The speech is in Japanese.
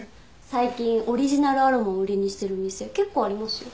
最近オリジナルアロマを売りにしてる店結構ありますよ。